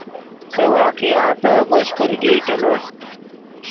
سے واقعاتف مشقولگی کینے